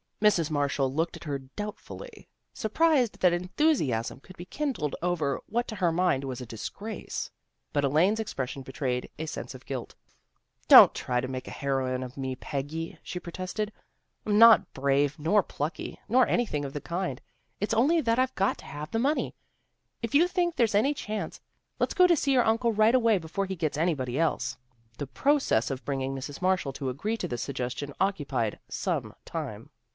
Mrs. Marshall looked at her doubtfully, sur prised that enthusiasm could be kindled over what to her mind was a disgrace. But Elaine's expression betrayed a sense of guilt. " Don't try to make a heroine of me, Peggy," she protested. " I'm not brave, nor plucky, nor anything of the kind. It's only that I've got to have the money. If you think there's any chance, let's go to see your uncle right away before he gets anybody else." The process of bringing Mrs. Marshall to agree to this suggestion occupied some time.